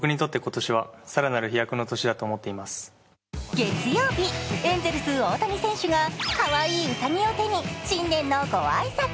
月曜日、エンゼルス・大谷選手がかわいいうさぎ手に新年のご挨拶。